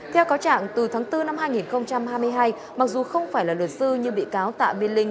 theo cáo trạng từ tháng bốn năm hai nghìn hai mươi hai mặc dù không phải là luật sư nhưng bị cáo tạ miên linh